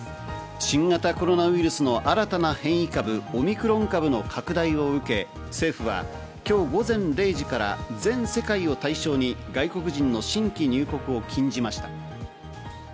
新型コロナウイルスの新たな変異株オミクロン株の拡大を受け、政府は今日午前０時から全世界を対象に外国人の新規入国を禁じました。